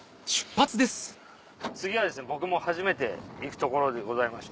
次は僕も初めて行く所でございまして。